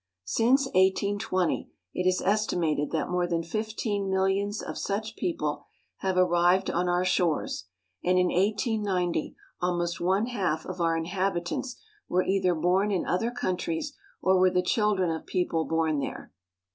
Since 1820 it is estimated that more than fifteen millions of such people have arrived on our shores, and in 1890 almost one half of our inhabitants were either born in other countries or were the children of people born there.